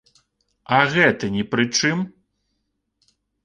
А гэты не пры чым?